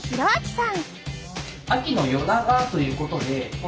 秋の夜長ということで。